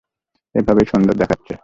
এভাবেই সুন্দর দেখাচ্ছে।